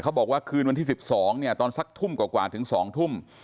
บอกว่าคืนวันที่๑๒เนี่ยตอนสักทุ่มกว่าถึง๒ทุ่ม